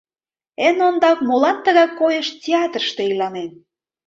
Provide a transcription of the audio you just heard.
Эн ондак: молан тыгай койыш театрыште иланен?